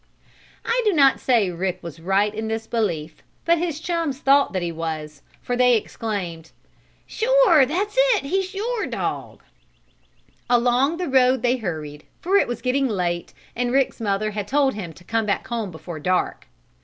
I do not say Rick was right in this belief, but his chums thought that he was, for they exclaimed: "Sure! That's it! He's your dog!" Along the road they hurried, for it was getting late and Rick's mother had told him to come back home before dark.